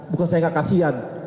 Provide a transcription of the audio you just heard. bukan saya kakasian